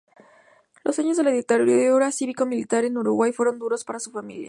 Los años de la dictadura cívico-militar en Uruguay fueron duros para su familia.